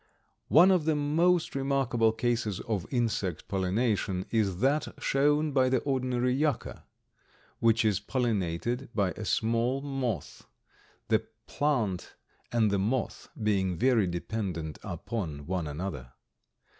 One of the most remarkable cases of insect pollination is that shown by the ordinary Yucca, which is pollinated by a small moth, the plant and the moth being very dependent upon one another.